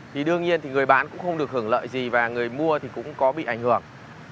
thì đương nhiên người bán cũng không được hưởng lợi gì và người mua cũng có bị ảnh hưởng